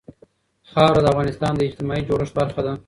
خاوره د افغانستان د اجتماعي جوړښت برخه ده.